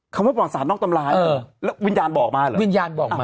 เขาบอกประวัติศาสตร์นอกตำราเออแล้ววิญญาณบอกมาเหรอวิญญาณบอกมา